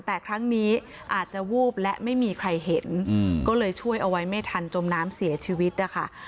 แต่ครั้งนี้อาจจะวูบและไม่มีใครเห็นก็เลยช่วยเอาไว้ไม่ทันจมน้ำเสียชีวิตนะคะ